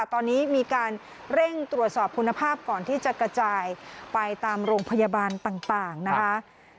ตอนนี้มีการเร่งตรวจสอบคุณภาพก่อนที่จะกระจายไปตามโรงพยาบาลต่างนะคะ